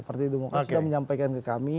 partai demokrat sudah menyampaikan ke kami